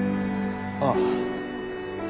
ああ。